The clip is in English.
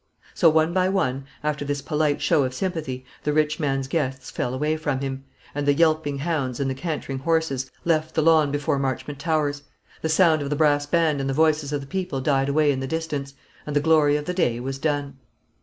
So one by one, after this polite show of sympathy, the rich man's guests fell away from him; and the yelping hounds and the cantering horses left the lawn before Marchmont Towers; the sound of the brass band and the voices of the people died away in the distance; and the glory of the day was done.